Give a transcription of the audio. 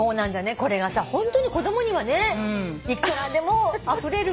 これがさホントに子供にはねいくらでもあふれるばかりに。